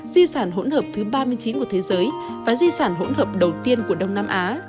di sản hỗn hợp thứ ba mươi chín của thế giới và di sản hỗn hợp đầu tiên của đông nam á